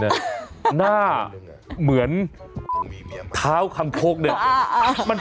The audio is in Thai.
มั่นหน้ามากเลย